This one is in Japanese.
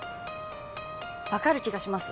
わかる気がします